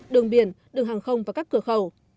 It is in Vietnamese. đường biển đường hàng không và các cửa khẩu